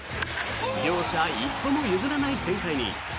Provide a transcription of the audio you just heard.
両者、一歩も譲らない展開に。